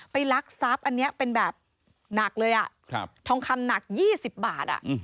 ไปรักทรัพย์เนี่ยเป็นแบบหนักเลยอ่ะทองคำหนัก๒๐บาทอ่ะ